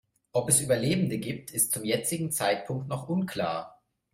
Ob es Überlebende gibt, ist zum jetzigen Zeitpunkt noch unklar.